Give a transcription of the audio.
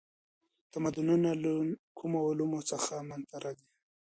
تمدنونه له کومو عواملو څخه منځ ته راځي؟